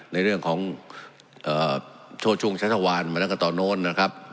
ในเรื่องของโทชงใช้ทะวันเหมือนกับตอนโน้นนะครับ